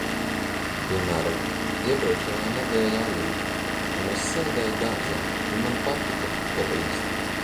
Piemēram, iepriekšējā nedēļā lija, un es sēdēju dārzā, un man patika, ka līst.